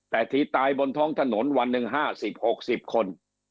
แต่ที่ตายบนท้องถนนวันหนึ่ง๕๐๖๐คน